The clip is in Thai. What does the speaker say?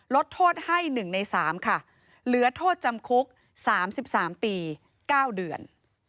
ลดโทษให้๑ใน๓ค่ะเหลือโทษจำคุก๓๓ปี๙เดือน